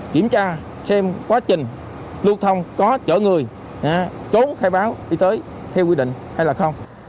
kiểm tra xem quá trình lưu thông có chở người chốn khai báo đi tới theo quy định hay là không